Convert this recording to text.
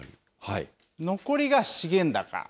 残りが資源高。